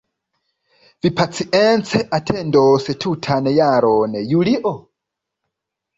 Vi pacience atendos tutan jaron, Julio?